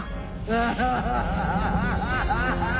アハハハハ！